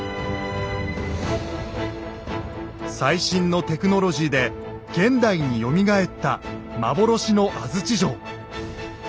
最新のテクノロジーで現代によみがえった幻の安土城。